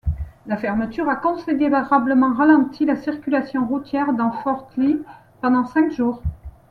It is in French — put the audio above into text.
La fermeture a considérablement ralenti la circulation routière dans Fort Lee pendant cinq jours.